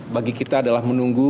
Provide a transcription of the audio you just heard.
bagi kita adalah menunggu